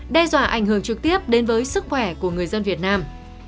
đe dọa ảnh hưởng trực tiếp đến với sức khỏe của người dân việt nam